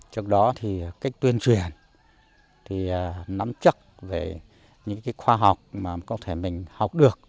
trước đó thì cách tuyên truyền thì nắm chắc về những khoa học mà có thể mình học được